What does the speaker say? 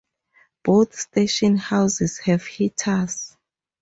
Both station houses have heaters.